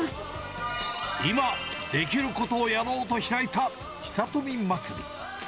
今できることをやろうと開いたヒサトミ祭り。